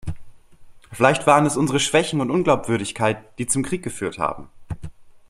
Vielleicht waren es unsere Schwäche und Unglaubwürdigkeit, die zum Krieg geführt haben.